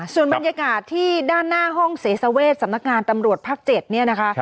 ส่วนบรรยากาศที่ด้านหน้าห้องเสษเวชสำนักงานตำรวจภาค๗เนี่ยนะคะ